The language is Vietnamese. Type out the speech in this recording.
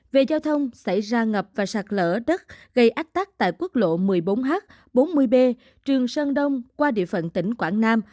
về giao thông xảy ra ngập và sạt lở đất gây ách tắc tại quốc lộ một mươi bốn h bốn mươi b trường sơn đông qua địa phận tỉnh quảng nam